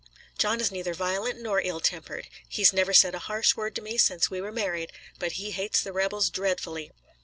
"John is neither violent nor ill tempered. He's never said a harsh word to me since we were married. But he hates the rebels dreadfully."